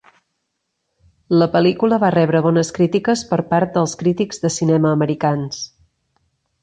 La pel·lícula va rebre bones crítiques per part dels crítics de cinema americans.